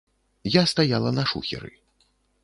Я стаяла на шухеры.